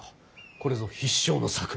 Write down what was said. これぞ必勝の策。